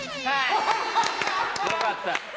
よかった。